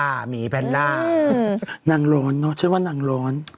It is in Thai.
ใช่ว่านางรณ